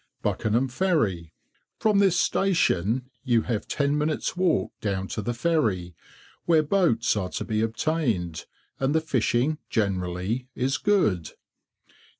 BUCKENHAM FERRY. From this station you have ten minutes' walk down to the Ferry, where boats are to be obtained, and the fishing generally is good.